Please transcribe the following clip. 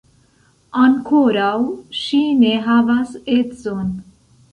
Ankoraŭ ŝi ne havas edzon.